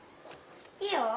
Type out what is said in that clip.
いいよ。